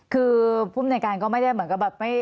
คือผู้อำนวยการก็ไม่ได้เห็นหายหน้า